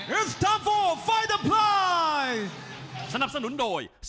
เราต้องมารับมารับช่วย